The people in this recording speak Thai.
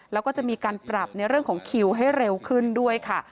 แล้วก็จะมีการปรับในเรื่องของคิวให้เร็วขึ้นด้วยค่ะ